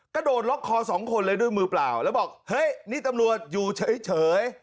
กระโดดล็อกคอสองคนเลยด้วยมือเปล่าแล้วบอกเฮ้ยนี่ตำรวจอยู่เฉย